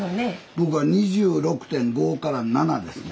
僕は２６．５２７ですね。